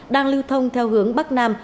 đang lưu thông theo hướng bắc nam